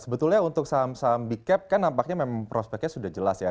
sebetulnya untuk saham saham big cap kan nampaknya memang prospeknya sudah jelas ya